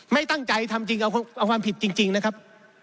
ไม่ตั้งใจทำจริงเอาความผิดจริงนะครับ